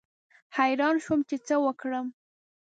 حیران شوم چې څه وکړم.